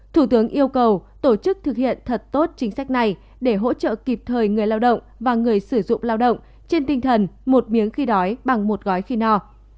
thủ tướng yêu cầu tổ chức thực hiện thật tốt chính sách này để hỗ trợ kịp thời người lao động và người sử dụng lao động trên tinh thần một miếng khi đói bằng một gói khi no